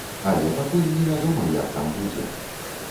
Але пакуль невядома, як там будзе.